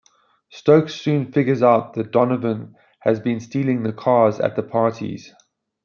Stokes soon figures out that Donovan has been stealing the cars at the parties.